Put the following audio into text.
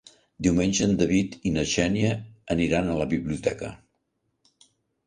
Diumenge en David i na Xènia aniran a la biblioteca.